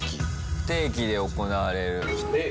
不定期で行われる。